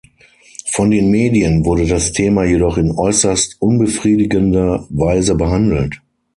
Von den Medien wurde das Thema jedoch in äußerst unbefriedigender Weise behandelt.